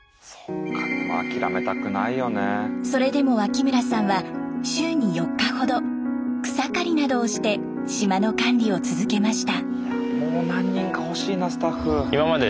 それでも脇村さんは週に４日ほど草刈りなどをして島の管理を続けました。